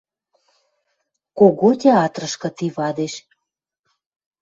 Кого Театрышкы ти вадеш